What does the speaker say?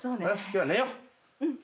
今日は寝よう。